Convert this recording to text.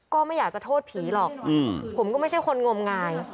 ก็ไม่อยากจะโทษผีหรอกผมก็ไม่ใช่คนงมงาย